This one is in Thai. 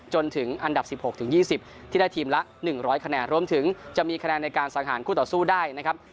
จนถึงอันดับ๑๖๒๐ที่ได้ทีมละ๑๐๐คะแนนรวมถึงจะมีคะแนนในการสังหารคู่ต่อสู้ได้นะครับ